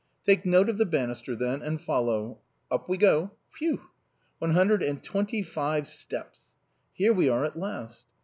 Take note of the banisters, then, and follow. Up we go ! WTiew ! one hundred and twenty five steps ! Here we are at last.